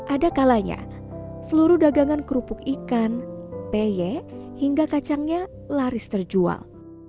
ada kalanya seluruh dagangan kerupuk ikan peye hingga kacangnya laris terjual